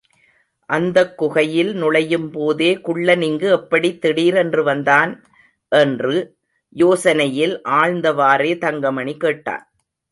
அந்தக் குகையில் நுழையும்போதே குள்ளன் இங்கு எப்படித் திடீரென்று வந்தான்? என்று யோசனையில் ஆழ்ந்தவாறே தங்கமணி கேட்டான்.